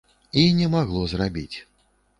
І не магло зрабіць.